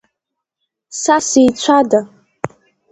Са сзеицәада!